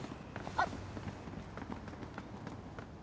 あっ。